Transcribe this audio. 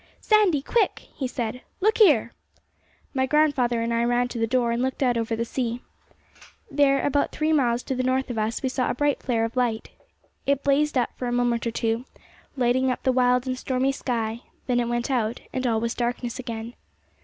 'Sandy, quick!' he said. 'Look here!' My grandfather and I ran to the door, and looked out over the sea. There, about three miles to the north of us, we saw a bright flare of light. It blazed up for a moment or two, lighting up the wild and stormy sky, and then it went out, and all was darkness again.